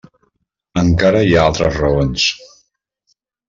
Encara hi ha altres raons.